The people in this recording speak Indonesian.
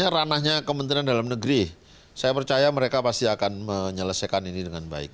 ini ranahnya kementerian dalam negeri saya percaya mereka pasti akan menyelesaikan ini dengan baik